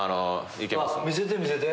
見せて見せて。